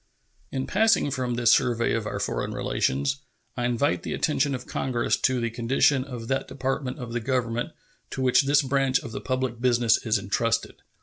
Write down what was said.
In passing from this survey of our foreign relations, I invite the attention of Congress to the condition of that Department of the Government to which this branch of the public business is intrusted.